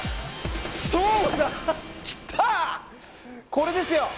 これですよ！